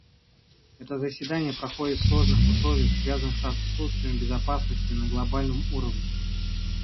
Это заседание проходит в сложных условиях, связанных с отсутствием безопасности на глобальном уровне.